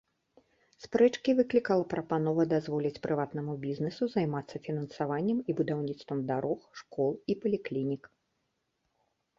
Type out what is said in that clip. Спрэчкі выклікала прапанова дазволіць прыватнаму бізнесу займацца фінансаваннем і будаўніцтвам дарог, школ і паліклінік.